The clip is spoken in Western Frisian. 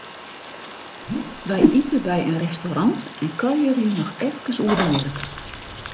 Wy ite by in restaurant en kuierje noch efkes oer de merk.